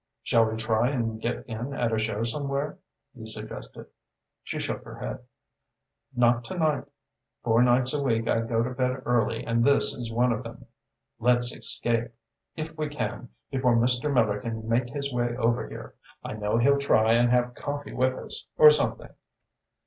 "Shall we try and get in at a show somewhere?" he suggested. She shook her head. "Not to night. Four nights a week I go to bed early and this is one of them. Let's escape, if we can, before Mr. Miller can make his way over here. I know he'll try and have coffee with us or something."